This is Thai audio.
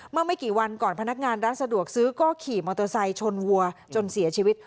เมื่อไม่กี่วันก่อนพนักงานร้านสะดวกซื้อก็ขี่มอเตอร์ไซค์ชนวัวจนเสียชีวิต